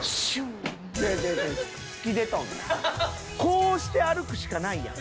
こうして歩くしかないやん。